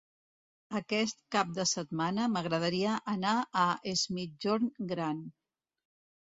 Aquest cap de setmana m'agradaria anar a Es Migjorn Gran.